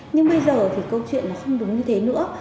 nhưng bây giờ thì câu chuyện là không đúng như thế nữa